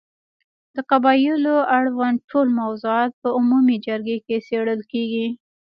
د قبایلو اړوند ټول موضوعات په عمومي جرګې کې څېړل کېږي.